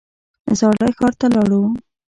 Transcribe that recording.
زاړه ښار ته لاړو.